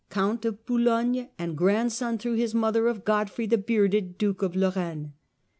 Count of Boulogne and grandson through his mother of Godfrey the Bearded, Duke of Lorraine.